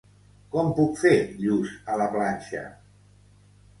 Com puc fer lluç a la planxa?